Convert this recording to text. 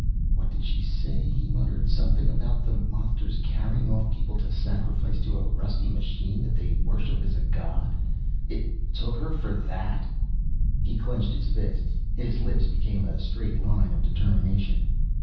"What did she say?" he muttered. "Something about the monsters carrying off people to sacrifice to a rusty machine that they worship as a god! It took her for that!" He clenched his fists; his lips became a straight line of determination.